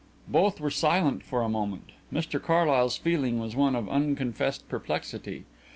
Both were silent for a moment. Mr Carlyle's feeling was one of unconfessed perplexity.